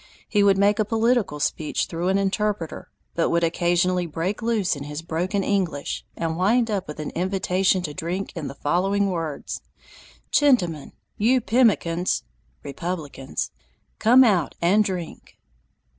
He would make a political speech through an interpreter, but would occasionally break loose in his broken English, and wind up with an invitation to drink in the following words: "Chentimen, you Pemicans (Republicans), come out and drink!"